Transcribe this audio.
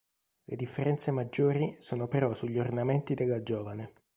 Le differenze maggiori sono però sugli ornamenti della giovane.